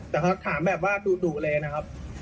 แต่เขาถามแบบว่าดุเลยนะครับ